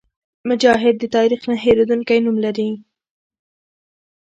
مجاهد د تاریخ نه هېرېدونکی نوم لري.